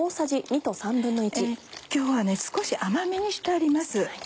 今日は少し甘めにしてあります。